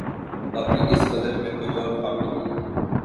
باقی اس غزل میں کوئی اور خامی نہیں۔